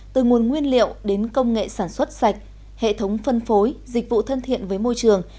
từ nguồn nguyên liệu đến công nghệ sản xuất sạch hệ thống phân phối dịch vụ thân thiện với môi trường